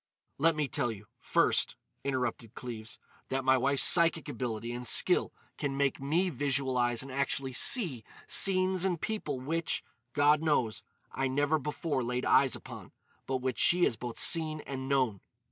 "Let me tell you, first," interrupted Cleves, "that my wife's psychic ability and skill can make me visualise and actually see scenes and people which, God knows, I never before laid eyes upon, but which she has both seen and known.